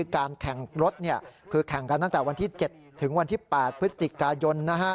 การแข่งรถคือแข่งกันตั้งแต่วันที่๗ถึงวันที่๘พฤศจิกายน